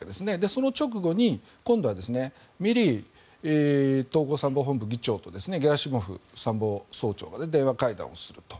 その直後に今度はミリー統合参謀本部議長とゲラシモフ参謀総長の間で電話会談をすると。